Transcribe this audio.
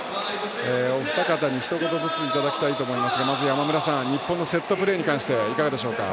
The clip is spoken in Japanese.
お二方に、ひと言ずついただきたいと思いますがまず山村さん日本のセットプレーについていかがでしょうか。